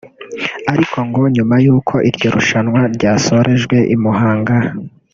Ariko ngo nyuma yuko iryo rushanwa ryasorejwe i Muhanga